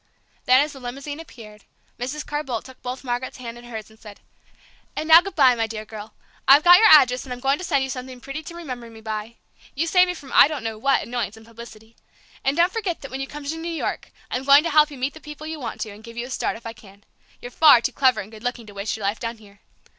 Then, as the limousine appeared, Mrs. Carr Boldt took both Margaret's hands in hers, and said, "And now good bye, my dear girl. I've got your address, and I'm going to send you something pretty to remember me by. You saved me from I don't know what annoyance and publicity. And don't forget that when you come to New York I'm going to help you meet the people you want to, and give you a start if I can. You're far too clever and good looking to waste your life down here.